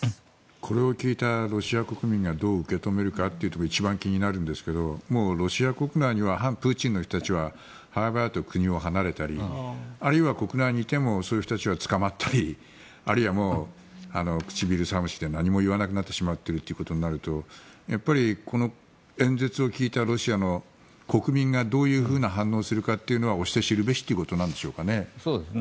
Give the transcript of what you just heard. これを聞いたロシア国民がどう受け止めるかというところが一番気になるんですがロシア国内には反プーチンの人たちは早々と国を離れたりあるいは国内にいてもそういう人たちは捕まったりあるいはくちびる寒しで何も言わなくなってしまっているということになるとこの演説を聞いたロシアの国民がどういうふうな反応をするかというのは推して知るべしということでしょうかね。